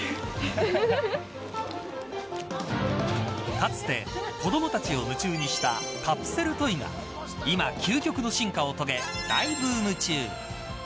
かつて子どもたちを夢中にしたカプセルトイが今、究極の進化を遂げ大ブーム中。